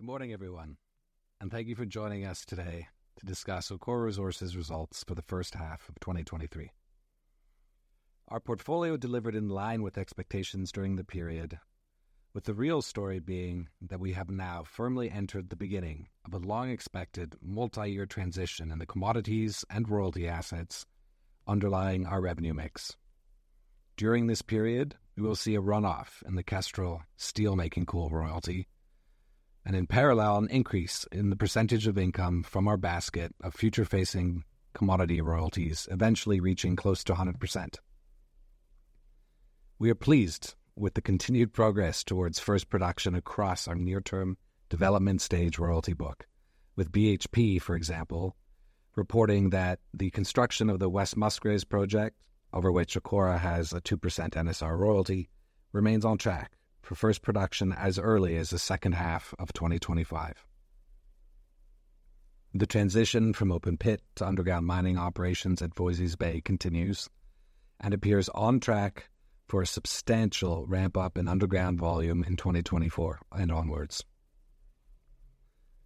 Good morning, everyone, and thank you for joining us today to discuss Ecora Resources' results for the first half of 2023. Our portfolio delivered in line with expectations during the period, with the real story being that we have now firmly entered the beginning of a long-expected, multi-year transition in the commodities and royalty assets underlying our revenue mix. During this period, we will see a runoff in the Kestrel steelmaking coal royalty, and in parallel, an increase in the percentage of income from our basket of future-facing commodity royalties, eventually reaching close to 100%. We are pleased with the continued progress towards first production across our near-term development stage royalty book, with BHP, for example, reporting that the construction of the West Musgrave project, over which Ecora has a 2% NSR royalty, remains on track for first production as early as the second half of 2025. The transition from open pit to underground mining operations at Voisey's Bay continues and appears on track for a substantial ramp-up in underground volume in 2024 and onwards.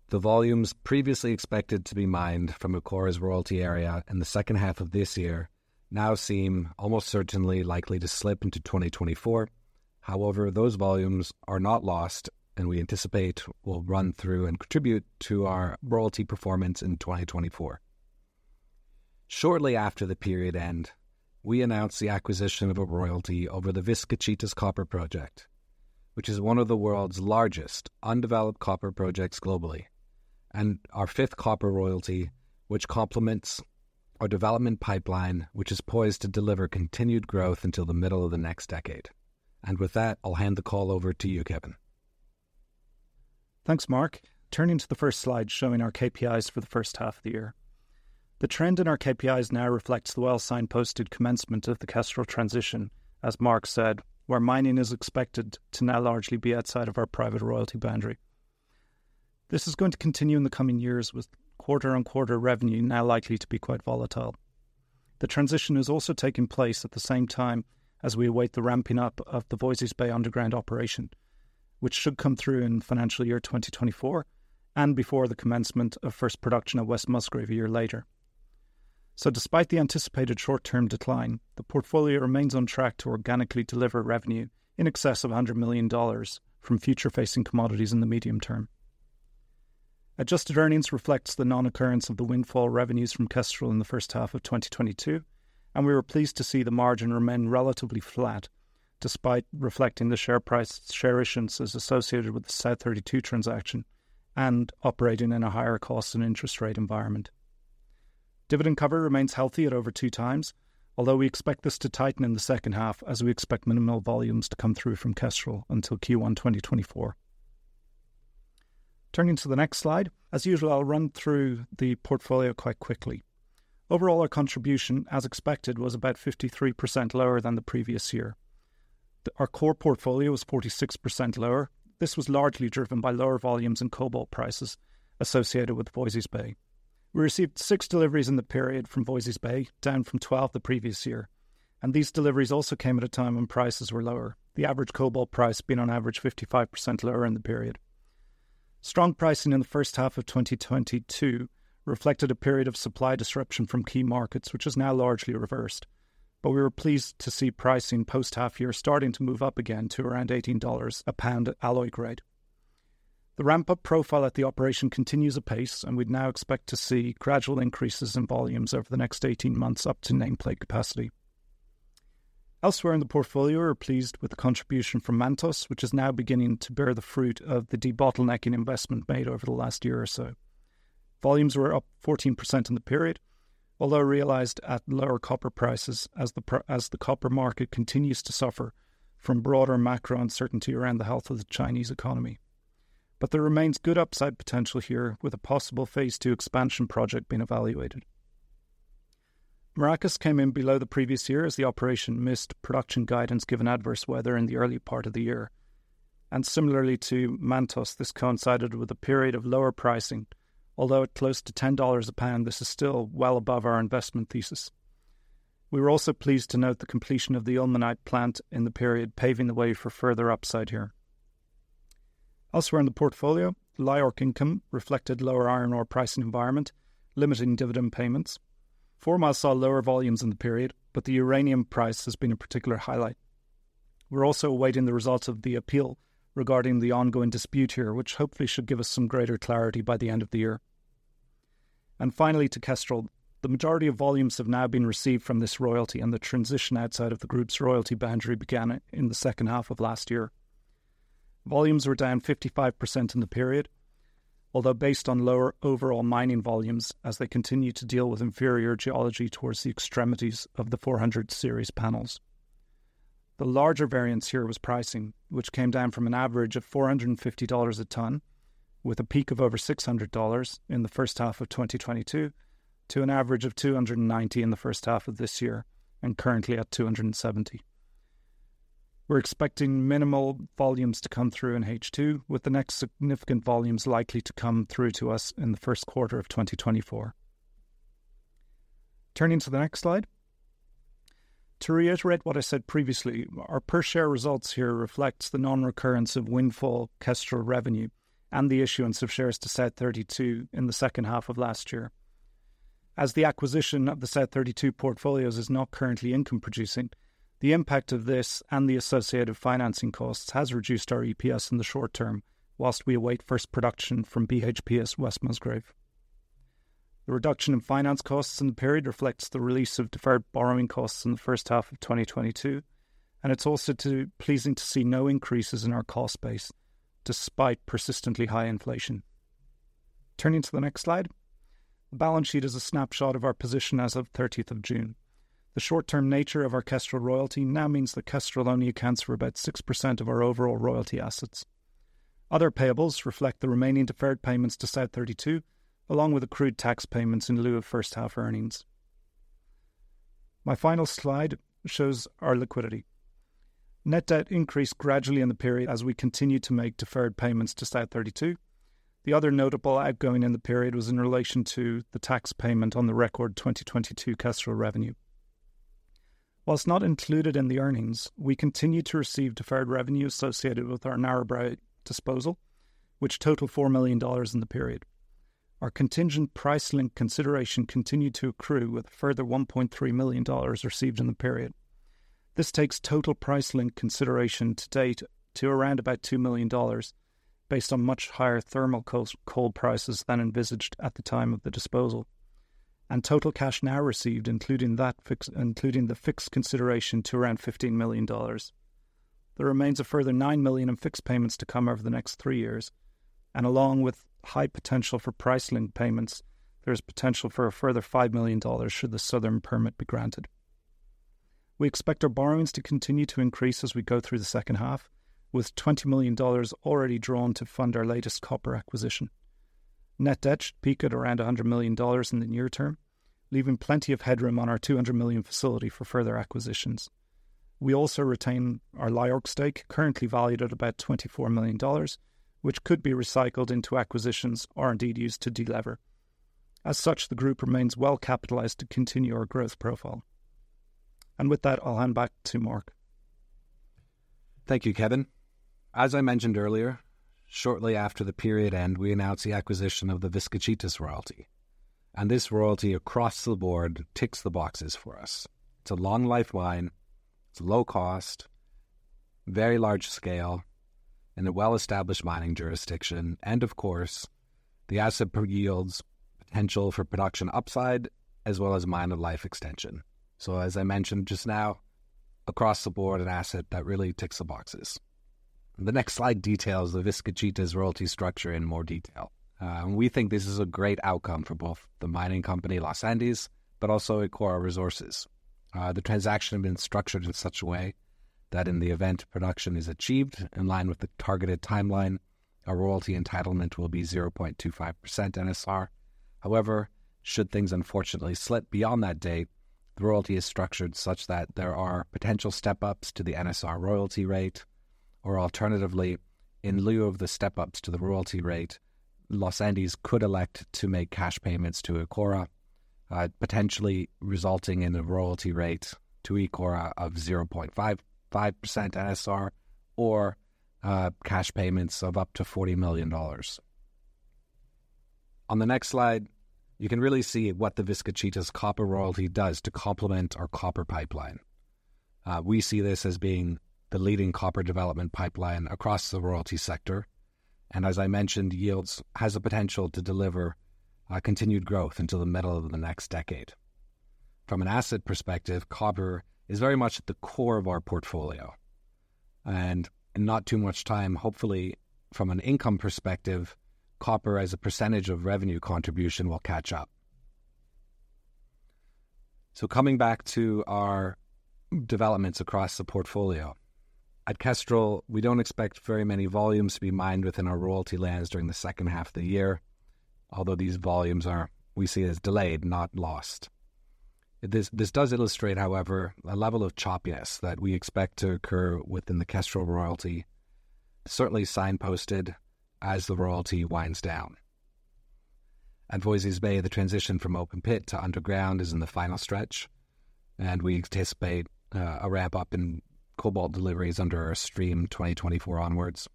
The volumes previously expected to be mined from Ecora's royalty area in the second half of this year now seem almost certainly likely to slip into 2024. However, those volumes are not lost and we anticipate will run through and contribute to our royalty performance in 2024. Shortly after the period end, we announced the acquisition of a royalty over the Vizcachitas Copper Project, which is one of the world's largest undeveloped copper projects globally, and our fifth copper royalty, which complements our development pipeline, which is poised to deliver continued growth until the middle of the next decade. With that, I'll hand the call over to you, Kevin. Thanks, Marc. Turning to the first slide, showing our KPIs for the first half of the year. The trend in our KPIs now reflects the well signposted commencement of the Kestrel transition, as Marc said, where mining is expected to now largely be outside of our private royalty boundary. This is going to continue in the coming years with quarter-on-quarter revenue now likely to be quite volatile. The transition is also taking place at the same time as we await the ramping up of the Voisey's Bay underground operation, which should come through in financial year 2024 and before the commencement of first production at West Musgrave a year later. Despite the anticipated short-term decline, the portfolio remains on track to organically deliver revenue in excess of $100 million from future-facing commodities in the medium term. Adjusted earnings reflects the non-occurrence of the windfall revenues from Kestrel in the first half of 2022, and we were pleased to see the margin remain relatively flat, despite reflecting the share price, share issuance as associated with the South32 transaction and operating in a higher cost and interest rate environment. Dividend cover remains healthy at over two times, although we expect this to tighten in the second half as we expect minimal volumes to come through from Kestrel until Q1 2024. Turning to the next slide. As usual, I'll run through the portfolio quite quickly. Overall, our contribution, as expected, was about 53% lower than the previous year. Our core portfolio was 46% lower. This was largely driven by lower volumes and cobalt prices associated with Voisey's Bay. We received 6 deliveries in the period from Voisey's Bay, down from 12 the previous year, and these deliveries also came at a time when prices were lower, the average cobalt price being on average 55% lower in the period. Strong pricing in the first half of 2022 reflected a period of supply disruption from key markets, which has now largely reversed, but we were pleased to see pricing post half year starting to move up again to around $18 a pound at alloy grade. The ramp-up profile at the operation continues apace, and we'd now expect to see gradual increases in volumes over the next 18 months up to nameplate capacity. Elsewhere in the portfolio, we're pleased with the contribution from Mantos, which is now beginning to bear the fruit of the debottlenecking investment made over the last year or so. Volumes were up 14% in the period, although realized at lower copper prices as the copper market continues to suffer from broader macro uncertainty around the health of the Chinese economy. But there remains good upside potential here, with a possible phase 2 expansion project being evaluated. Maracás came in below the previous year as the operation missed production guidance, given adverse weather in the early part of the year and similarly to Mantos, this coincided with a period of lower pricing, although at close to $10 a pound, this is still well above our investment thesis. We were also pleased to note the completion of the ilmenite plant in the period, paving the way for further upside here. Elsewhere in the portfolio, iron ore income reflected lower iron ore pricing environment, limiting dividend payments. Four Mile saw lower volumes in the period, but the uranium price has been a particular highlight. We're also awaiting the results of the appeal regarding the ongoing dispute here, which hopefully should give us some greater clarity by the end of the year. Finally, to Kestrel. The majority of volumes have now been received from this royalty, and the transition outside of the group's royalty boundary began in the second half of last year. Volumes were down 55% in the period, although based on lower overall mining volumes as they continued to deal with inferior geology towards the extremities of the 400 series panels. The larger variance here was pricing, which came down from an average of $450 a ton, with a peak of over $600 in the first half of 2022, to an average of $290 in the first half of this year, and currently at $270. We're expecting minimal volumes to come through in H2, with the next significant volumes likely to come through to us in the Q1 of 2024. Turning to the next slide. To reiterate what I said previously, our per share results here reflects the non-recurrence of windfall Kestrel revenue and the issuance of shares to South32 in the second half of last year. As the acquisition of the South32 portfolios is not currently income producing, the impact of this and the associated financing costs has reduced our EPS in the short-term, while we await first production from BHP's West Musgrave. The reduction in finance costs in the period reflects the release of deferred borrowing costs in the first half of 2022, and it's also pleasing to see no increases in our cost base, despite persistently high inflation. Turning to the next slide. The balance sheet is a snapshot of our position as of thirteenth of June. The short-term nature of our Kestrel royalty now means that Kestrel only accounts for about 6% of our overall royalty assets. Other payables reflect the remaining deferred payments to South32, along with accrued tax payments in lieu of first half earnings. My final slide shows our liquidity. Net debt increased gradually in the period as we continued to make deferred payments to South32. The other notable outgoing in the period was in relation to the tax payment on the record 2022 Kestrel revenue. While not included in the earnings, we continued to receive deferred revenue associated with our Narrabri disposal, which total $4 million in the period. Our contingent price link consideration continued to accrue, with a further $1.3 million received in the period. This takes total price link consideration to date to around about $2 million, based on much higher thermal coal prices than envisaged at the time of the disposal, and total cash now received, including the fixed consideration, to around $15 million. There remains a further $9 million in fixed payments to come over the next three years, and along with high potential for price link payments, there is potential for a further $5 million should the southern permit be granted. We expect our borrowings to continue to increase as we go through the second half, with $20 million already drawn to fund our latest copper acquisition. Net debt should peak at around $100 million in the near term, leaving plenty of headroom on our $200 million facility for further acquisitions. We also retain our LIORC stake, currently valued at about $24 million, which could be recycled into acquisitions or indeed used to delever. As such, the group remains well capitalized to continue our growth profile. With that, I'll hand back to Mark. Thank you, Kevin. As I mentioned earlier, shortly after the period end, we announced the acquisition of the Vizcachitas royalty, and this royalty across the board ticks the boxes for us. It's a long lifeline, it's low cost, very large scale, in a well-established mining jurisdiction, and of course, the asset yields potential for production upside as well as mine and life extension. As I mentioned just now, across the board, an asset that really ticks the boxes. The next slide details the Vizcachitas royalty structure in more detail. We think this is a great outcome for both the mining company, Los Andes, but also Ecora Resources. The transaction has been structured in such a way that in the event production is achieved in line with the targeted timeline, our royalty entitlement will be 0.25% NSR. However, should things unfortunately slip beyond that date, the royalty is structured such that there are potential step-ups to the NSR royalty rate, or alternatively, in lieu of the step-ups to the royalty rate, Los Andes could elect to make cash payments to Ecora, potentially resulting in a royalty rate to Ecora of 0.55% NSR or cash payments of up to $40 million. On the next slide, you can really see what the Vizcachitas copper royalty does to complement our copper pipeline. We see this as being the leading copper development pipeline across the royalty sector, and as I mentioned, yields has the potential to deliver continued growth until the middle of the next decade. From an asset perspective, copper is very much at the core of our portfolio, and in not too much time, hopefully from an income perspective, copper as a percentage of revenue contribution will catch up. Coming back to our developments across the portfolio, at Kestrel, we don't expect very many volumes to be mined within our royalty lands during the second half of the year, although these volumes we see it as delayed, not lost. This does illustrate, however, a level of choppiness that we expect to occur within the Kestrel royalty, certainly signposted as the royalty winds down. At Voisey's Bay, the transition from open pit to underground is in the final stretch, and we anticipate a wrap-up in cobalt deliveries under our stream 2024 onwards.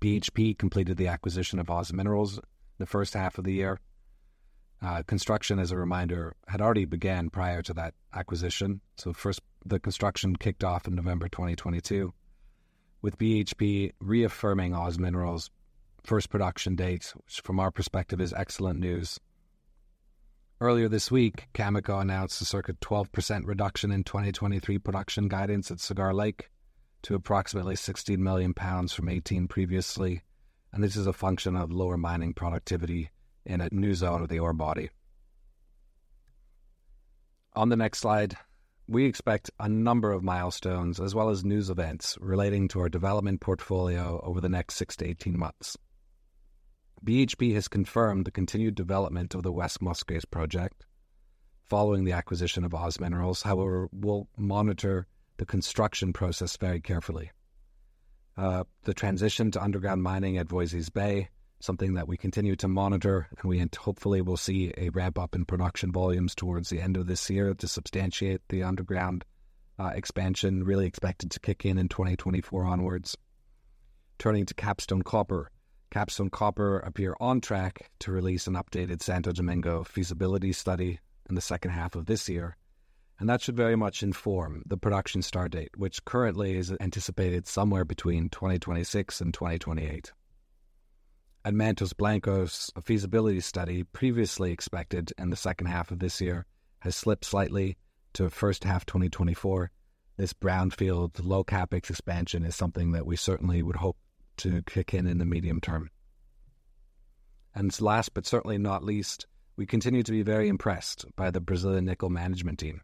BHP completed the acquisition of OZ Minerals the first half of the year. Construction, as a reminder, had already begun prior to that acquisition. First, the construction kicked off in November 2022, with BHP reaffirming OZ Minerals' first production date, which from our perspective, is excellent news. Earlier this week, Cameco announced a circa 12% reduction in 2023 production guidance at Cigar Lake to approximately 16 million pounds from 18 previously, and this is a function of lower mining productivity in a new zone of the ore body. On the next slide, we expect a number of milestones as well as news events relating to our development portfolio over the next 6 to 18 months. BHP has confirmed the continued development of the West Musgrave project following the acquisition of OZ Minerals. However, we'll monitor the construction process very carefully. The transition to underground mining at Voisey's Bay, something that we continue to monitor, and we hopefully will see a ramp-up in production volumes towards the end of this year to substantiate the underground, expansion really expected to kick in in 2024 onwards. Turning to Capstone Copper. Capstone Copper appear on track to release an updated Santo Domingo feasibility study in the second half of this year, and that should very much inform the production start date, which currently is anticipated somewhere between 2026 and 2028. At Mantos Blancos, a feasibility study previously expected in the second half of this year has slipped slightly to first half 2024. This brownfield low CapEx expansion is something that we certainly would hope to kick in in the medium term. Last, but certainly not least, we continue to be very impressed by the Brazilian Nickel management team,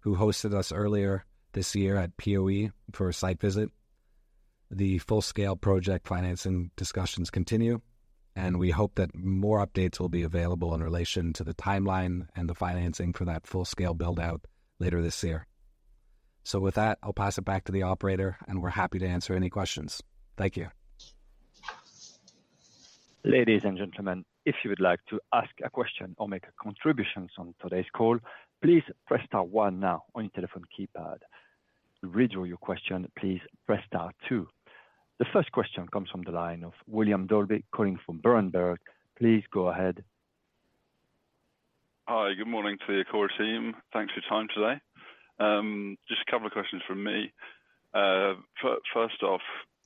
who hosted us earlier this year at Piauí for a site visit. The full-scale project financing discussions continue, and we hope that more updates will be available in relation to the timeline and the financing for that full-scale build-out later this year. So with that, I'll pass it back to the operator, and we're happy to answer any questions. Thank you. Ladies and gentlemen, if you would like to ask a question or make a contribution on today's call, please press star one now on your telephone keypad. To withdraw your question, please press star two. The first question comes from the line of William Dalby, calling from Berenberg. Please go ahead. Hi, good morning to the Ecora team. Thanks for your time today. Just a couple of questions from me. First off,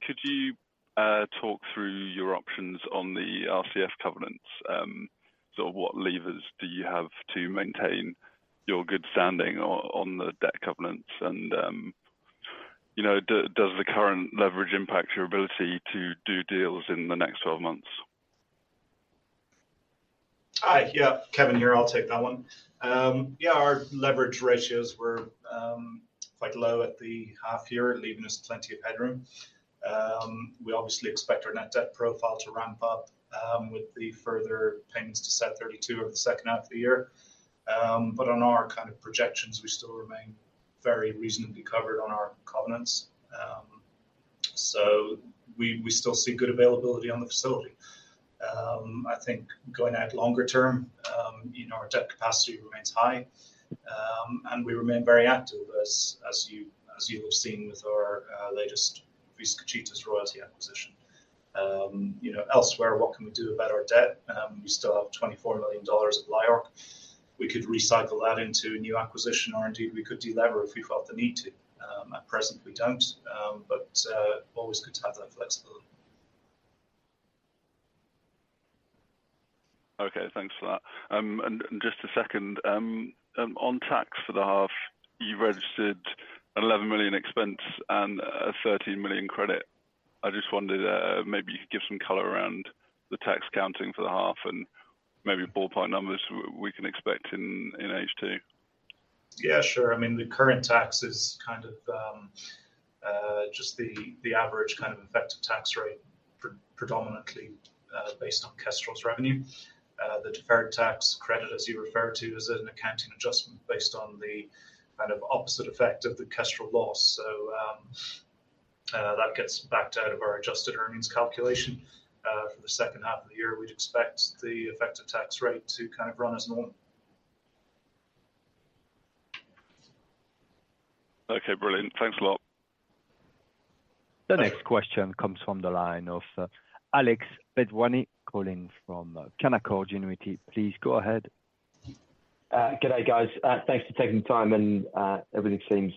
could you talk through your options on the RCF covenants? So what levers do you have to maintain your good standing on the debt covenants? And you know, does the current leverage impact your ability to do deals in the next 12 months? Hi. Yes, Kevin here. I'll take that one. Our leverage ratios were quite low at the half year, leaving us plenty of headroom. We obviously expect our net debt profile to ramp up with the further payments to South32 over the second half of the year. But on our projections, we still remain very reasonably covered on our covenants. We still see good availability on the facility. I think going out longer term, our debt capacity remains high and we remain very active as you have seen with our latest Vizcachitas royalty acquisition. Elsewhere, what can we do about our debt? We still have $24 million at LIORC. We could recycle that into a new acquisition, or indeed, we could delever if we felt the need to. At present, we don't, but always good to have that flexibility. Okay. Thanks for that. Just a second. On tax for the half, you registered a 11 million expense and a 13 million credit. I just wondered, maybe you could give some color around the tax accounting for the half and maybe ballpark numbers we can expect in H2. Yes, sure. I mean, the current tax is kind of just the average kind of effective tax rate predominantly based on Kestrel's revenue. The deferred tax credit, as you refer to, is an accounting adjustment based on the kind of opposite effect of the Kestrel loss. That gets backed out of our adjusted earnings calculation. For the second half of the year, we'd expect the effective tax rate to run as normal. Okay, brilliant. Thanks a lot. The next question comes from the line of Alex Bedwany, calling from Canaccord Genuity. Please go ahead. Good day, guys. Thanks for taking the time and everything seems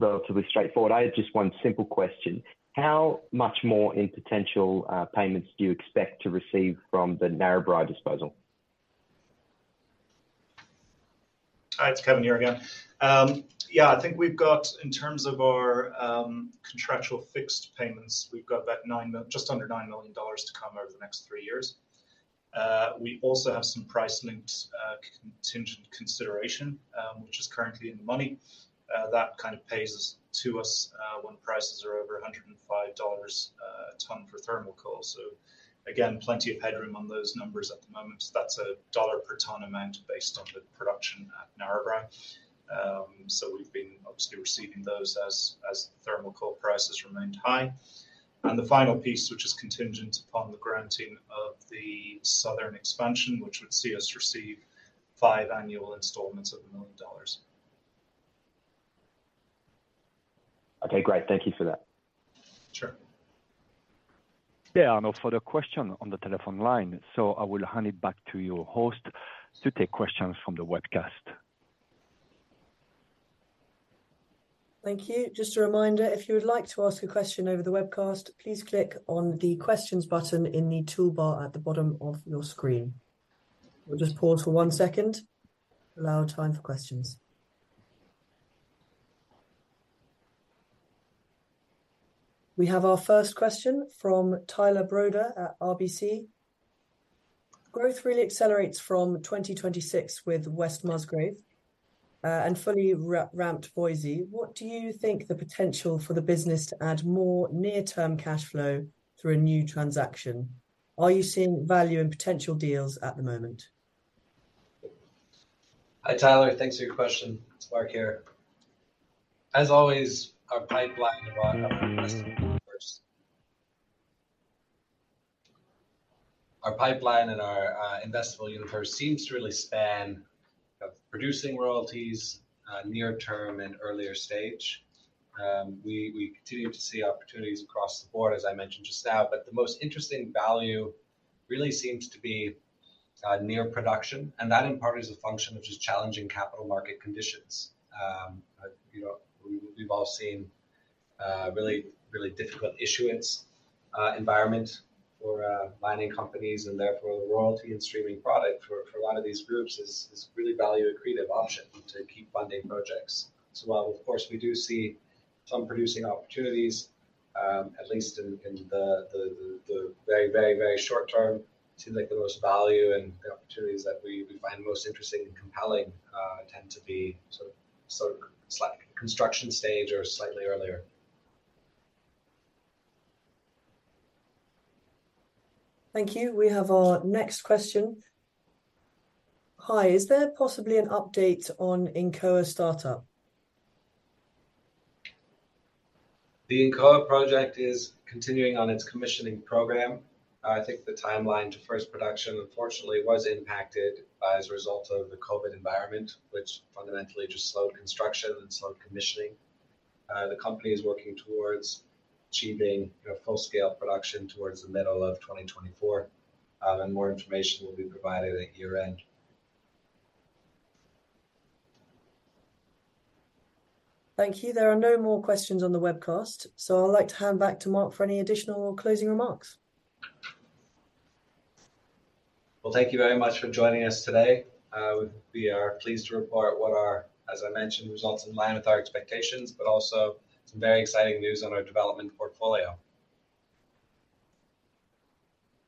relatively straightforward. I had just one simple question: How much more in potential payments do you expect to receive from the Narrabri disposal? Hi, it's Kevin here again. I think in terms of our contractual fixed payments, we've got just under $9 million to come over the next three years. We also have some price-linked contingent consideration, which is currently in money. That pays us when prices are over $105 a ton for thermal coal. Again, plenty of headroom on those numbers at the moment. That's $1 per ton amount based on the production at Narrabri. We've been obviously receiving those as the thermal coal prices remained high. And the final piece, which is contingent upon the granting of the southern expansion, which would see us receive five annual installments of $1 million. Okay, great. Thank you for that. Sure. There are no further questions on the telephone line, I will hand it back to your host to take questions from the webcast. Thank you. Just a reminder, if you would like to ask a question over the webcast, please click on the Questions button in the toolbar at the bottom of your screen. We'll just pause for one second, allow time for questions. We have our first question from Tyler Broda at RBC. Growth really accelerates from 2026 with West Musgrave and fully ramped Voisey's. What do you think the potential for the business to add more near-term cash flow through a new transaction? Are you seeing value in potential deals at the moment? Hi, Tyler. Thanks for your question. It's Marc here. As always, our pipeline and our investable universe seems to really span producing royalties, near term and earlier stage. We continue to see opportunities across the board, as I mentioned just now, but the most interesting value really seems to be near production, and that in part is a function of just challenging capital market conditions. We've all seen really difficult issuance environment for mining companies, and therefore the royalty and streaming product for a lot of these groups is really value accretive option to keep funding projects. While, of course, we do see some producing opportunities, at least in the very short term, it seems like the most value and the opportunities that we find most interesting and compelling tend to be slight construction stage or slightly earlier. Thank you. We have our next question. Hi, is there possibly an update on Incoa startup? The Incoa project is continuing on its commissioning program. I think the timeline to first production, unfortunately, was impacted, as a result of the COVID environment, which fundamentally just slowed construction and slowed commissioning. The company is working towards achieving a full-scale production towards the middle of 2024, and more information will be provided at year-end. Thank you. There are no more questions on the webcast, so I'd like to hand back to Marc for any additional closing remarks. Well, thank you very much for joining us today. We are pleased to report what are, as I mentioned, results in line with our expectations, but also some very exciting news on our development portfolio.